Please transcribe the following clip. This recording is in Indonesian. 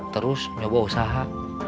terus nyoba usaha